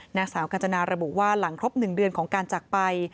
นางสาวกาจนาระบุว่าหลังครบ๑เดือนของการจักรไป